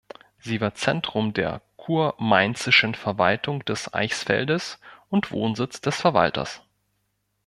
Sie war Zentrum der kurmainzischen Verwaltung des Eichsfeldes und Wohnsitz des Verwalters.